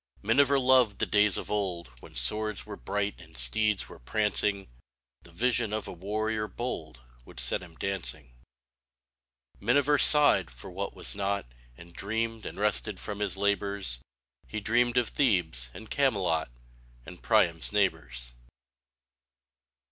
Miniver loved the days of old When swords were bright and steeds were prancing; The vision of a warrior bold Would set him dancing. [97| Miniver sighed for what was not, And dreamed, and rested from his labors; He dreamed of Thebes and Camelot, And Priam's neighbors.